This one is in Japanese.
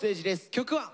曲は。